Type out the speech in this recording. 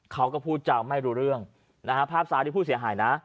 เขาก็พูดจานกไม่รู้เรื่องภาพสร้างที่พูดเสียหายนะ